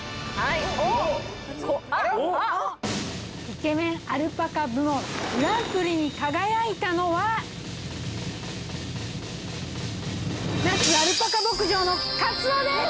イケメンアルパカ部門グランプリに輝いたのは那須アルパカ牧場のカツオです！